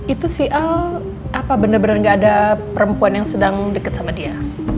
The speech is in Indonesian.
itu si al apa bener bener gak ada perempuan yang sedang deket sama dia